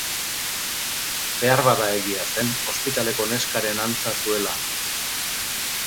Beharbada egia zen ospitaleko neskaren antza zuela.